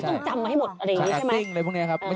จำมาให้หมดใช่ไหม